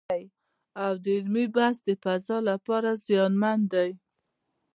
او د علمي بحث د فضا لپاره زیانمن دی